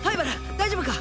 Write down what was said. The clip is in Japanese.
大丈夫か。